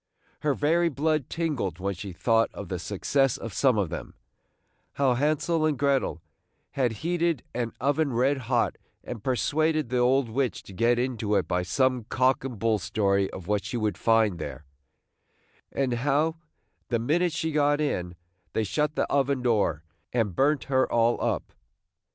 Her very blood tingled when she thought of the success of some of them, – how Hensel and Grettel had heated an oven red hot, and persuaded the old witch to get into it by some cock and bull story of what she would find there; and how, the minute she got in, they shut up the oven door, and burnt her all up!